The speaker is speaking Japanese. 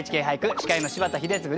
司会の柴田英嗣です。